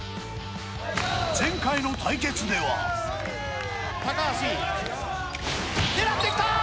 前回の対決では高橋狙ってきたー